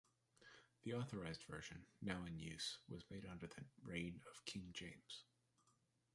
The authorized version, now in use, was made under the reign of King James.